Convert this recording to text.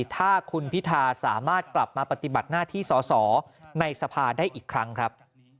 ถ้าคุณพิธาสามารถกลับมาปฏิบัติหน้าที่สอสอในสภาได้อีกครั้งครับ